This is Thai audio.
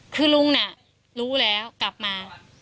คือลุงน่ะรู้แล้วกลับมา